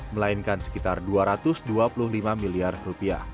melainkan sekitar rp dua ratus dua puluh lima miliar